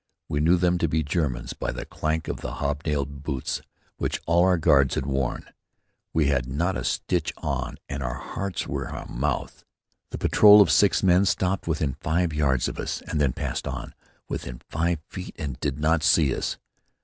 We knew them to be Germans by the clank of the hobnailed boots which all our guards had worn. We had not a stitch on and our hearts were in our mouths. The patrol of six men stopped within five yards of us and then passed on within five feet and did not see us.